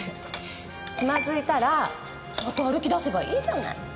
つまずいたらまた歩き出せばいいじゃない。